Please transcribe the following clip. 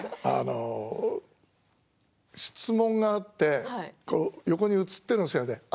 あの質問があって横に映っているんですよね。